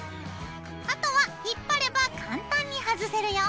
あとは引っ張れば簡単にはずせるよ。